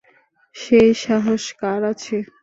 সেই সাহস কার আছে?